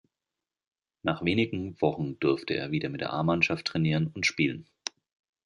Nach wenigen Wochen durfte er wieder mit der A-Mannschaft trainieren und spielen.